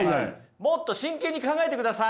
もっと真剣に考えてください！